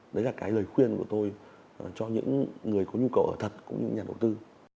đấy là cái lời khuyên của tôi cho những người có nhu cầu ở thật cũng như nhà đầu tư